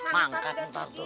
mangkat ntar tuh